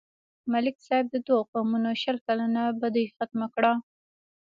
ملک صاحب د دوو قومونو شل کلنه بدي ختمه کړه.